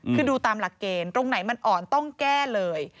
คือดูตามหลักเกณฑ์ตรงไหนมันอ่อนต้องแก้เลย